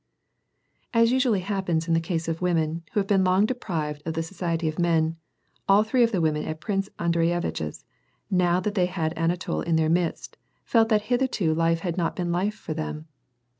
As usually happens in the case of women, who have been longed deprived of the society of men, all three of the women at Prince Andreyevitch's, now that they had Anatol in their midst, felt that hitherto life had not been life for them.